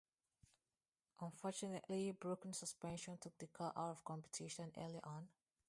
Unfortunately, broken suspension took the car out of competition early on.